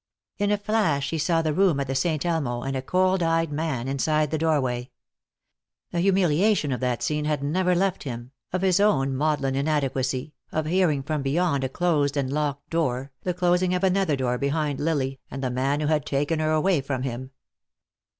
In a flash he saw the room at the Saint Elmo, and a cold eyed man inside the doorway. The humiliation of that scene had never left him, of his own maudlin inadequacy, of hearing from beyond a closed and locked door, the closing of another door behind Lily and the man who had taken her away from him.